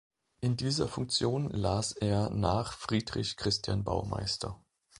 In dieser Funktion las er nach Friedrich Christian Baumeister.